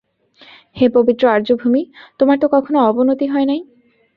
হে পবিত্র আর্যভূমি, তোমার তো কখনও অবনতি হয় নাই।